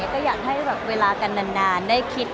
ก็อยากให้เวลากันนานได้คิด